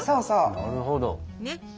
なるほど。